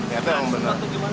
ya itu emang bener